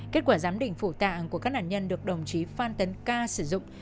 kết quả giám định phủ tạng của các nạn nhân được đồng chí phan tấn ca sử dụng